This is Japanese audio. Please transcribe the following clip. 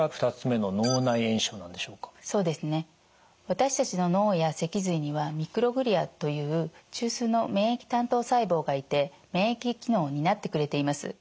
私たちの脳や脊髄にはミクログリアという中枢の免疫担当細胞がいて免疫機能を担ってくれています。